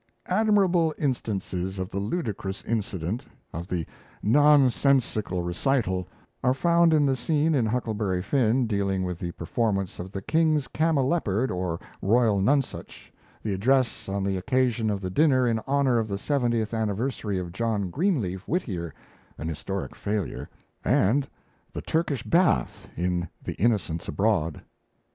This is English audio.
Admirable instances of the ludicrous incident, of the nonsensical recital, are found in the scene in 'Huckleberry Finn' dealing with the performance of the King's Cameleopard or Royal Nonesuch, the address on the occasion of the dinner in honour of the seventieth anniversary of John Greenleaf Whittier (an historic failure), and the Turkish bath in 'The Innocents Abroad'.